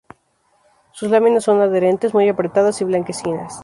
Sus láminas son adherentes, muy apretadas y blanquecinas.